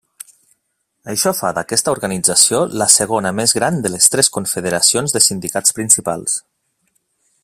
Això fa d'aquesta organització la segona més gran de les tres confederacions de sindicats principals.